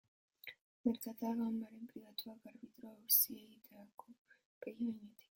Merkatal ganbaren pribatuak arbitro auzitegietako epaileen gainetik.